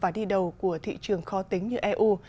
và đi đầu của thị trường khó tính như eu